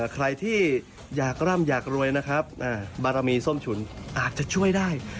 ใครที่อยากร่ำอยากรวยนะครับบารมีส้มฉุนอาจจะช่วยได้